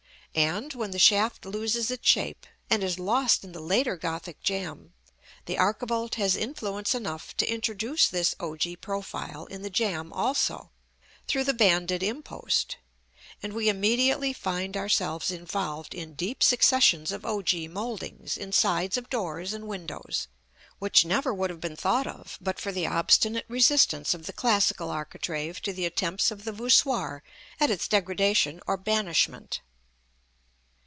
and, when the shaft loses its shape, and is lost in the later Gothic jamb, the archivolt has influence enough to introduce this ogee profile in the jamb also, through the banded impost: and we immediately find ourselves involved in deep successions of ogee mouldings in sides of doors and windows, which never would have been thought of, but for the obstinate resistance of the classical architrave to the attempts of the voussoir at its degradation or banishment.